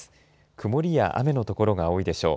曇りや雨の所が多いでしょう。